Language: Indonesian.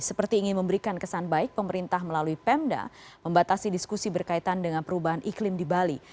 seperti ingin memberikan kesan baik pemerintah melalui pemda membatasi diskusi berkaitan dengan perubahan iklim di bali